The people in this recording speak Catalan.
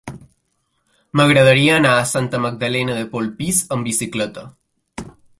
M'agradaria anar a Santa Magdalena de Polpís amb bicicleta.